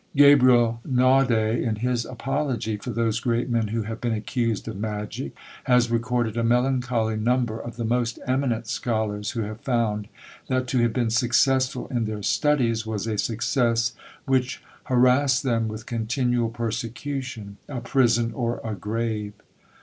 Gabriel Naudé, in his apology for those great men who have been accused of magic, has recorded a melancholy number of the most eminent scholars, who have found, that to have been successful in their studies, was a success which harassed them with continual persecution a prison or a grave!